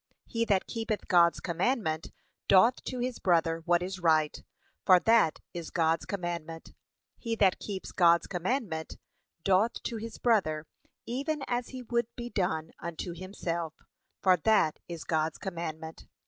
He that keepeth God's commandment, doth to his brother what is right, for that is God's commandment. He that keeps God's commandment, doth to his brother even as he would be done unto himself, for that is God's commandment.